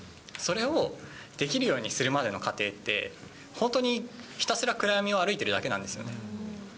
それをできるようにするまでの過程って、本当にひたすら暗闇を歩いているだけなんですよ。